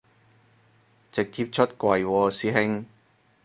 直接出櫃喎師兄